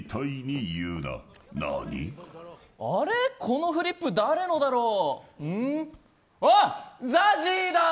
このフリップ誰のだろう。